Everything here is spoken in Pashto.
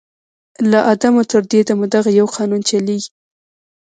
« له آدمه تر دې دمه دغه یو قانون چلیږي